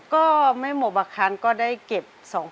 ก็ไม่หมดอาคารก็ได้เก็บ๒๐๐๐